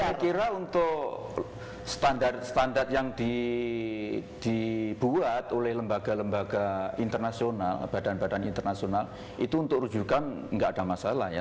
saya kira untuk standar standar yang dibuat oleh lembaga lembaga internasional badan badan internasional itu untuk rujukan nggak ada masalah ya